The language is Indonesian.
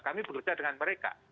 kami bekerja dengan mereka